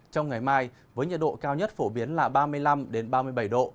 trong ngày mai với nhiệt độ cao nhất phổ biến là ba mươi năm ba mươi bảy độ